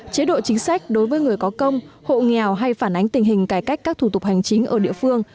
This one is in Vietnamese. chế độ chính sách đối với người có công hộ nghèo hay phản ánh tình hình cải cách các thủ tục hành chính ở địa phương